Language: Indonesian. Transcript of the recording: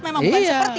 memang bukan seperti